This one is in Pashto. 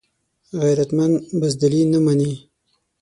غیرتمند بزدلي نه مني